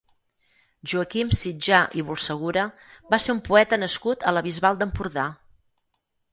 Joaquim Sitjar i Bulcegura va ser un poeta nascut a la Bisbal d'Empordà.